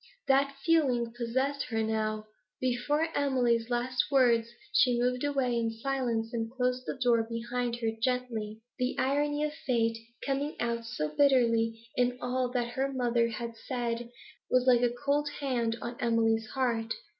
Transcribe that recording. That feeling possessed her now; before Emily's last words she moved away in silence and closed the door behind her gently. The irony of fate, coming out so bitterly in all that her mother had said, was like a cold hand on Emily's heart.